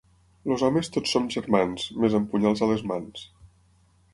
Els homes tots som germans, mes amb punyals a les mans.